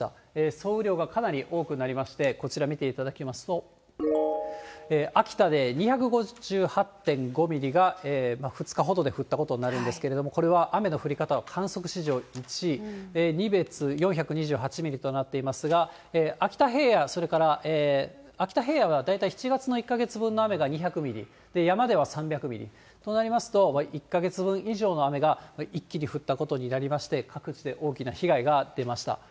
総雨量がかなり多くなりまして、こちら見ていただきますと、秋田で２５８．５ミリが２日ほどで降ったことになるんですけれども、これは雨の降り方は観測史上１位、仁別４２８ミリとなっていますが、秋田平野、それから秋田平野が大体７月の１か月分の雨が２００ミリ、山では３００ミリ。となりますと、１か月分以上の雨が一気に降ったことになりまして、各地で大きな被害が出ました。